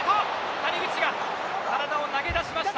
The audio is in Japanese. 谷口が体を投げ出しました。